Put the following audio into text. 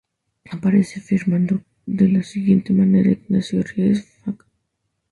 Aparece firmado de la siguiente manera: "Ignacio de Ries fac.